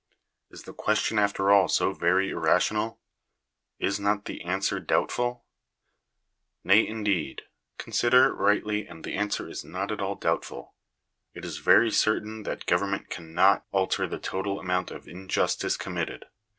Is the question after all so very irrational ? Is not the answer doubtful ? Nay, indeed ; consider it rightly and the answer is not at all, doubtful. It is very certain that government can not alter theft total amount of injustice committed.